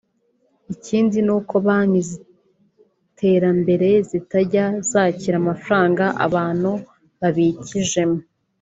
Ikindi ni uko banki z’iterambere zitajya zakira amafaranga abantu babikijemo